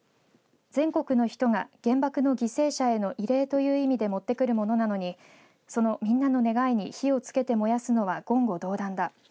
全国の人が原爆の犠牲者への慰霊という意味で持ってくるものなのにそのみんなの願いに火をつけて燃やすのは言語道断だ。